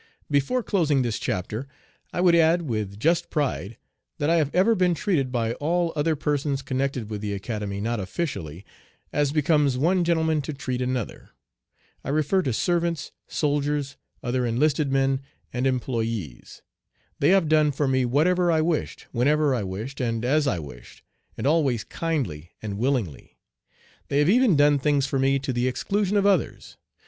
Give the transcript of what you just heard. Before closing this chapter I would add with just pride that I have ever been treated by all other persons connected with the Academy not officially, as becomes one gentleman to treat another. I refer to servants, soldiers, other enlisted men, and employés. They have done for me whatever I wished, whenever I wished, and as I wished, and always kindly and willingly. They have even done things for me to the exclusion of others.